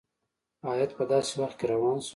هیات په داسي وخت کې روان شو.